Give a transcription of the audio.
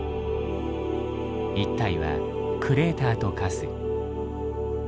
一帯はクレーターと化す。